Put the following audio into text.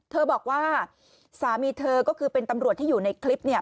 บอกว่าสามีเธอก็คือเป็นตำรวจที่อยู่ในคลิปเนี่ย